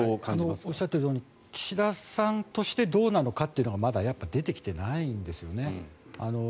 おっしゃったように岸田さんとしてどうなのかというのがまだ出てきていないんですよね。